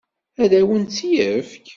Ad awen-tt-yefk?